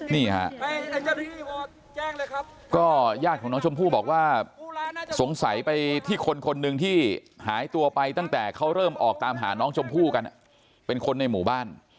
นี่ฮะก็ญาติของน้องชมพู่บอกว่าสงสัยไปที่คนคนหนึ่งที่หายตัวไปตั้งแต่เขาเริ่มออกตามหาน้องชมพู่กันเป็นคนในหมู่บ้าน